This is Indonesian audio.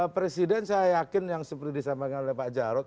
presiden saya yakin yang seperti disampaikan oleh pak jarod